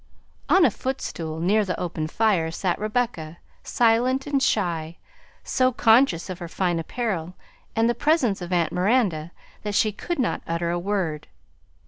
On a footstool near the open fire sat Rebecca, silent and shy, so conscious of her fine apparel and the presence of aunt Miranda that she could not utter a word.